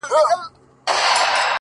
زه به په فکر وم؛ چي څنگه مو سميږي ژوند؛